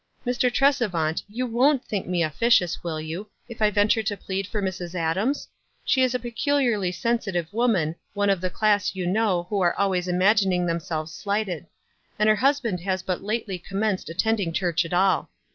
"Mr. Tresevant, you won't think me officious, will you, if I venture to plead for Mrs. Adams? She is a peculiarly sensitive woman, one of the class, you know, who are always imagining themselves slighted ; and her husband has but lately commenced attending church at all.